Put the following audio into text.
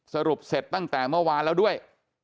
สรุปเสร็จตั้งแต่เมื่อวานแล้วด้วย